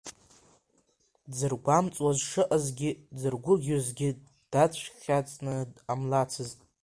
Дзыргәамҵуаз шыҟазгьы, дзыргәырӷьозгьы дацәхьаҵны дҟамлацызт.